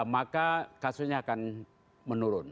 maka kasusnya akan menurun